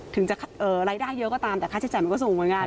ถึงจะรายได้เยอะก็ตามแต่ค่าใช้จ่ายมันก็สูงเหมือนกัน